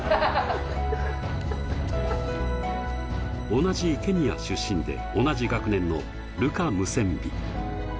同じケニア出身で、同じ学年のルカ・ムセンビ。